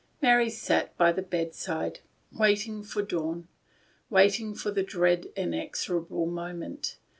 Mary sat by the bedside, waiting for the dawn, waiting for the dread inexorable moment.